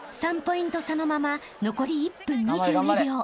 ［３ポイント差のまま残り１分２２秒］